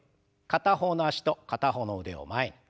片方の脚と片方の腕を前に。